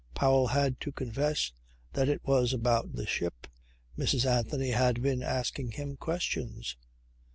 Powell had to confess that it was about the ship. Mrs. Anthony had been asking him questions.